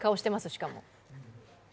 しかも。